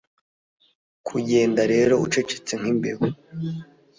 kugenda rero ucecetse nkimbeba